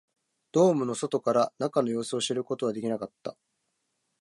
ドームの外から中の様子を知ることはできなかった